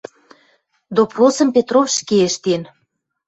Допросым Петров ӹшке ӹштен